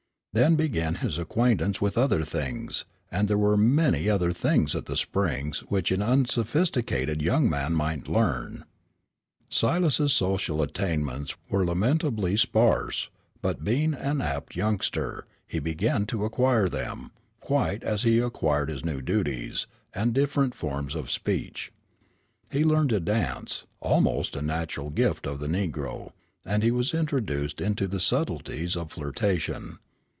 Then began his acquaintance with other things, and there were many other things at the Springs which an unsophisticated young man might learn. Silas's social attainments were lamentably sparse, but being an apt youngster, he began to acquire them, quite as he acquired his new duties, and different forms of speech. He learned to dance almost a natural gift of the negro and he was introduced into the subtleties of flirtation.